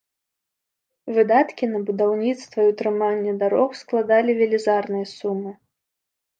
Выдаткі на будаўніцтва і ўтрыманне дарог складалі велізарныя сумы.